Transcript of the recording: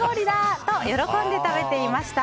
と喜んで食べていました。